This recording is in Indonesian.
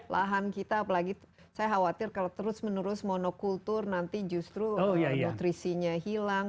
lahan kita apalagi saya khawatir kalau terus menerus monokultur nanti justru nutrisinya hilang